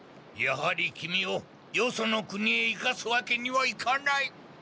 やはりキミをよその国へ行かすわけにはいかない！